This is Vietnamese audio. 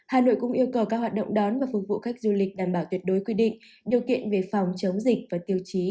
hà nội cũng yêu cầu các hoạt động đón và phục vụ khách du lịch đảm bảo tuyệt đối quy định điều kiện về phòng chống dịch và tiêu chí